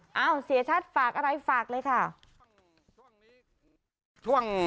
เอ้าเสียชัดฝากอะไรฝากเลยค่ะ